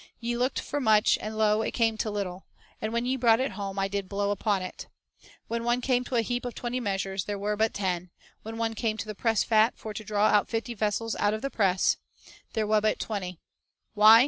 Ye looked for much, and, lo, it came to little; and when ye brought it home, I did blow upon it." "When one came to a heap of twenty measures, there were but ten ; when one came to the press fat for to draw out fifty vessels out of the press, there were but twenty." "Why?